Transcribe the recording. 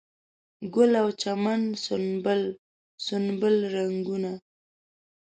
ګل او چمن سنبل، سنبل رنګونه